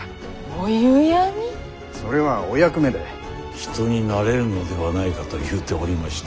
「人になれるのではないか」と言うておりました。